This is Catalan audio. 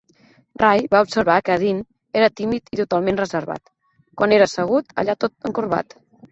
Ray va observar que Dean era tímid i totalment reservar, quan era assegut allà tot encorbat.